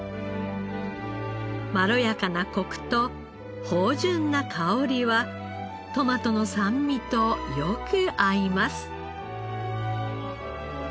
まろやかなコクと芳醇な香りはトマトの酸味とよく合います。